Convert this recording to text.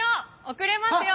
遅れますよ。